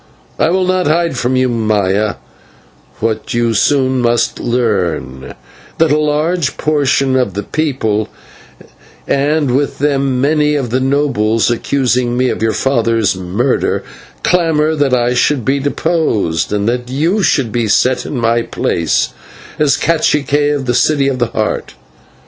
I will not hide from you, Maya, what you must soon learn, that a large portion of the people, and with them many of the nobles, accusing me of your father's murder, clamour that I should be deposed, and that you should be set in my place as /cacique/ of the City of the Heart.